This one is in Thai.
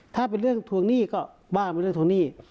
ถ้าเป็นเรื่องทวงหนี้ก็ว่าเป็นเรื่องทวงหนี้